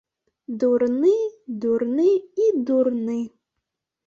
Дурны, дурны і дурны.